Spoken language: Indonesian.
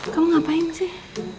kamu ngapain sih